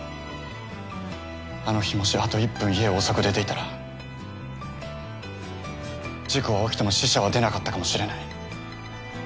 あの日もしあと１分家を遅く出ていたら事故は起きても死者は出なかったかもしれない。